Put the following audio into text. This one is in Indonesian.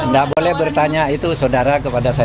tidak boleh bertanya itu saudara kepada saya